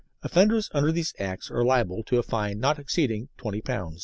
Offenders under these Acts are liable to a fine not exceeding P20.